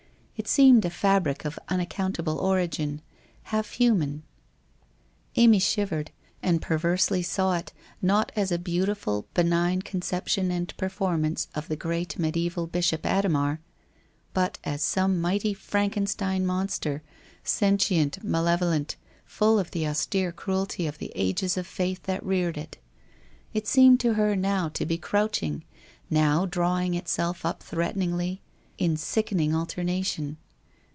It seemed a fabric of unac countable origin, half human. ... Amy shivered, and perversely saw it, not as a beautiful, benign conception and performance of the great mediaeval Bishop Adhemar, but as some mighty Frankenstein monster, sentient, mal evolent, full of the austere cruelty of the ages of faith that reared it. It seemed to her now to be crouch ing, now drawing itself up threateningly, in sickening alter nation.